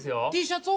Ｔシャツ